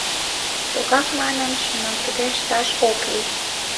Тугак манын, шоналтыде ышташ ок лий.